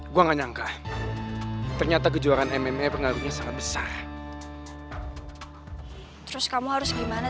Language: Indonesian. gue gak nyangka ternyata kejuaraan mma pengaruhnya sangat besar terus kamu harus gimana